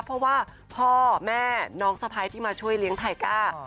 เพราะว่าพ่อแม่น้องสะพ้ายที่มาช่วยเลี้ยงไทก้า